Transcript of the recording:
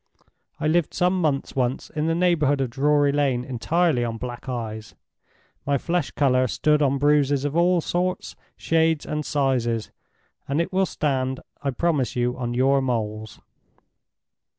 I lived some months once in the neighborhood of Drury Lane entirely on Black Eyes. My flesh color stood on bruises of all sorts, shades, and sizes, and it will stand, I promise you, on your moles."